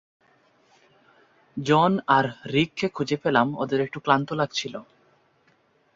জন আর রিককে খুঁজে পেলাম, ওদের একটু ক্লান্ত লাগছিলো।